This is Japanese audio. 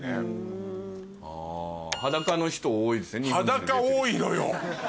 裸多いのよ！